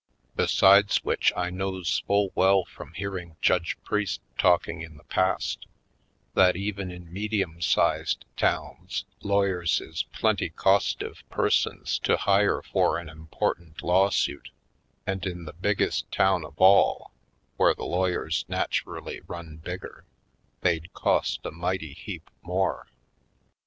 Besides which I knows full well from hearing Judge Priest talk ing in the past, that even in medium sized towns lawyers is plenty costive persons to hire for an important lawsuit, and in the biggest town of all, where the lawyers naturally run bigger, they'd cost a mighty heap more.